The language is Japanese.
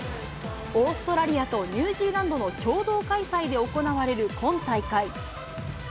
オーストラリアとニュージーランドの共同開催で行われる今大会。